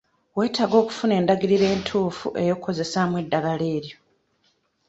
Weetaaga okufuna endagiriro entuufu ey'okukozesaamu eddagala eryo.